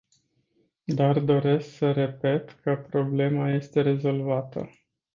Dar doresc să repet că problema este rezolvată.